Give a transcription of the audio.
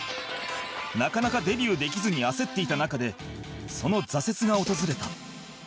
なかなかデビューできずに焦っていた中でその挫折が訪れた